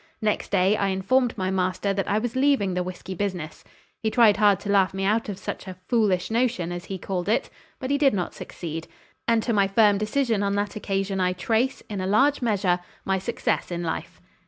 Next day I informed my master that I was leaving the whiskey business. He tried hard to laugh me out of such a 'foolish notion,' as he called it; but he did not succeed, and to my firm decision on that occasion I trace, in a large measure, my success in life."